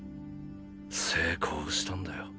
成功したんだよ。